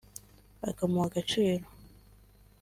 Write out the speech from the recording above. akamuha agaciro